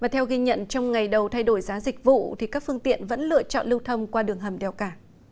theo ghi nhận trong ngày đầu thay đổi giá dịch vụ các phương tiện vẫn lựa chọn lưu thông qua đường hầm đèo cả